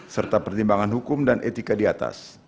serta pertimbangan hukum dan etika diatas